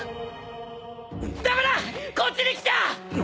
駄目だこっちに来ちゃ！